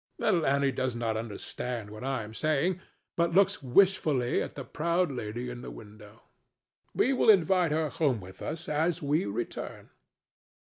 Little Annie does not understand what I am saying, but looks wishfully at the proud lady in the window. We will invite her home with us as we return.